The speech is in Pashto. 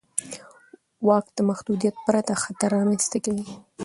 واک د محدودیت پرته خطر رامنځته کوي.